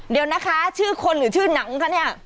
เดี๋ยวนะคะชื่อคนหรือชื่อหนังคะเนี่ย